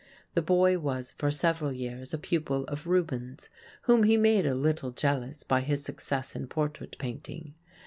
The boy was for several years a pupil of Rubens, whom he made a little jealous by his success in portrait painting.